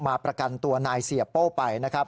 ประกันตัวนายเสียโป้ไปนะครับ